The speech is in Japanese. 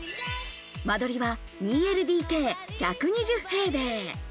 間取りは２ＬＤＫ、１２０平米。